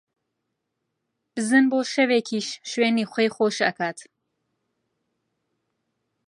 بزن بۆ شەوێکیش شوێنی خۆی خۆش ئەکات